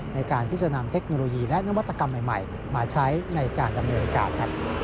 ในการที่จะนำเทคโนโลยีและนวัตกรรมใหม่มาใช้ในการดำเนินการ